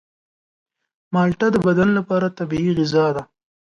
مالټه د بدن لپاره طبیعي غذا ده.